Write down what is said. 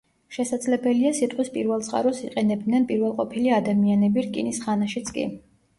შესაძლებელია სიტყვის პირველწყაროს იყენებდნენ პირველყოფილი ადამიანები რკინის ხანაშიც კი.